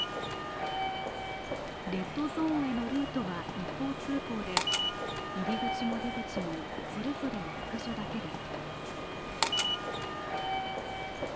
レッドゾーンへのルートは一方通行で、入口も出口もそれぞれ１ヶ所だけです。